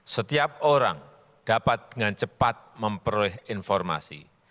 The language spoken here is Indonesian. setiap orang dapat dengan cepat memperoleh informasi